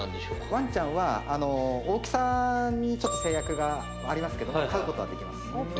ワンちゃんは大きさにちょっと制約がありますけども飼う事はできます。